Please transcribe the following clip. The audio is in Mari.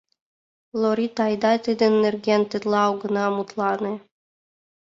— Лоритта, айда тидын нерген тетла огына мутлане?